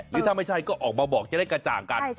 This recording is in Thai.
หรือถ้าไม่ใช่ก็ออกมาบอกจะได้กระจ่างกัน